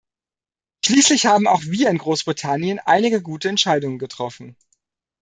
Schließlich haben auch wir in Großbritannien einige gute Entscheidungen getroffen.